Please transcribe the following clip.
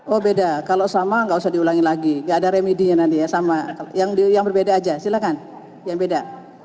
oh beda kalau sama nggak usah diulangi lagi gak ada remedinya nanti ya sama yang berbeda aja silahkan yang beda